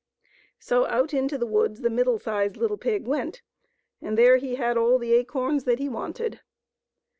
So out into the woods the middle sized little pig went, and there he had all the acorns that he wanted.